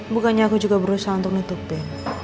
bukannya aku juga berusaha untuk menutupi